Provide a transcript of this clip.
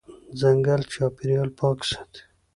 ځنګل چاپېریال پاک ساتي.